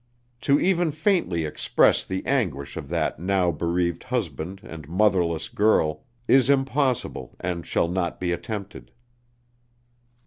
To even faintly express the anguish of that now bereaved husband and motherless girl is impossible and shall not be attempted.